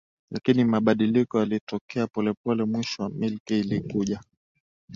lakini mabadiliko yalitokea polepole Mwisho wa milki ilikuja